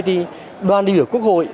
thì đoàn định của quốc hội